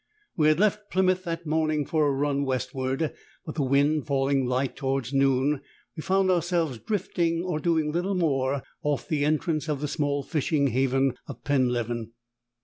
We had left Plymouth that morning for a run westward; but, the wind falling light towards noon, we found ourselves drifting, or doing little more, off the entrance of the small fishing haven of Penleven.